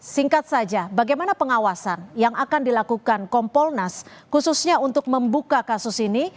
singkat saja bagaimana pengawasan yang akan dilakukan kompolnas khususnya untuk membuka kasus ini